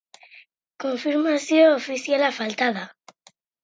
Konfirmazio ofiziala falta da.